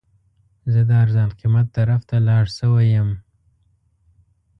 زه د ارزان قیمت طرف ته لاړ شوی یم.